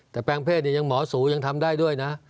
แต่แปลงเพศเนี่ยยังหมอสูยังทำได้ด้วยนะ